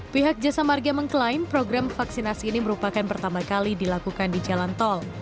pihak jasa marga mengklaim program vaksinasi ini merupakan pertama kali dilakukan di jalan tol